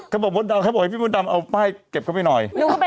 เขาบอกให้พี่มดรรมเอาป้ายเก็บเข้าไปหน่อย